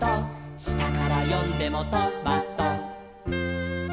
「したからよんでもト・マ・ト」